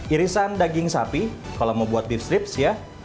irisan daging sapi kalau mau buat beef strips ya